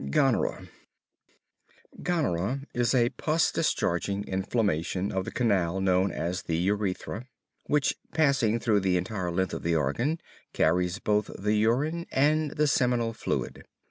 GONORRHEA Gonorrhea is a pus discharging inflammation of the canal known as the urethra, which passing through the entire length of the organ, carries both the urine and the seminal fluid.